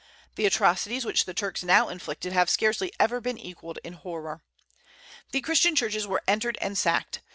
The atrocities which the Turks now inflicted have scarcely ever been equalled in horror. The Christian churches were entered and sacked.